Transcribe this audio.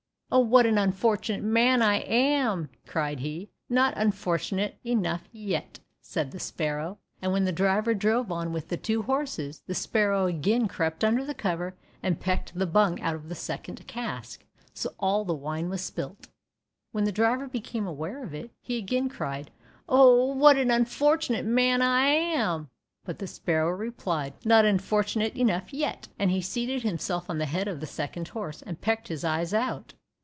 "Oh, what an unfortunate man I am," cried he. "Not unfortunate enough yet," said the sparrow, and when the driver drove on with the two horses, the sparrow again crept under the cover, and pecked the bung out of the second cask, so all the wine was spilt. When the driver became aware of it, he again cried, "Oh, what an unfortunate man I am," but the sparrow replied, "Not unfortunate enough yet," and seated himself on the head of the second horse, and pecked his eyes out.